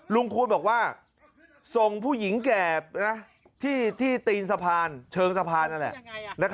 คูณบอกว่าส่งผู้หญิงแก่ที่ตีนสะพานเชิงสะพานนั่นแหละ